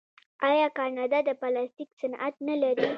آیا کاناډا د پلاستیک صنعت نلري؟